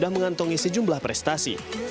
mengisi jumlah prestasi